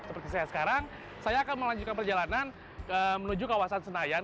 seperti saya sekarang saya akan melanjutkan perjalanan menuju kawasan senayan